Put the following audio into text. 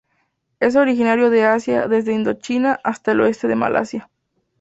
Es originario de Asia desde Indochina hasta el oeste de Malasia.